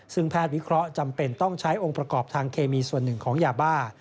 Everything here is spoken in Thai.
ซึ่งแพทย์วิเคราะห์จำเป็นต้องใช้องค์ประกอบทางเคมีส่วนหนึ่งของยาบ้า